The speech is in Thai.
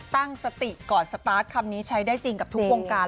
ตั้งสติก่อนสตาร์ทคำนี้ใช้ได้จริงกับทุกวงการ